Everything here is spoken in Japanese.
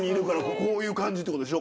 こういう感じってことでしょ？